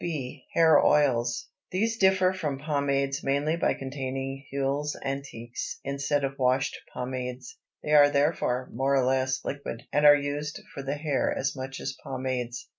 B. Hair Oils. These differ from pomades mainly by containing huiles antiques instead of washed pomades; they are therefore more or less liquid and are used for the hair as much as pomades.